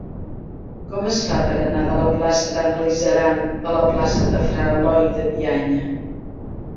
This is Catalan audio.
Com es fa per anar de la plaça d'Anna Lizaran a la plaça de Fra Eloi de Bianya?